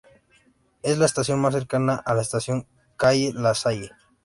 Es la estación más cercana a la estación Calle LaSalle.